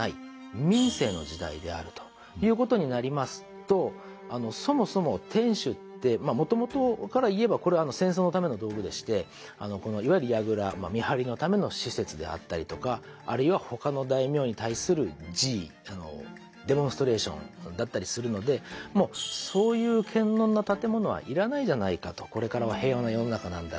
民政の時代であるということになりますとそもそも天守ってもともとから言えばこれは戦争のための道具でしてこのいわゆる櫓見張りのための施設であったりとかあるいはほかの大名に対する示威デモンストレーションだったりするのでもうそういう剣呑な建物はいらないじゃないかとこれからは平和な世の中なんだろう。